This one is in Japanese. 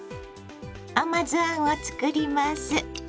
甘酢あんを作ります。